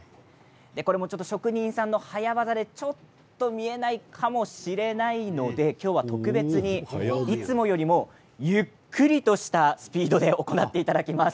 職人さんの早業でちょっと見えないかもしれないので今日は特別にいつもよりもゆっくりとしたスピードで行っていただきます。